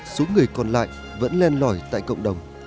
số người còn lại vẫn len lỏi tại cộng đồng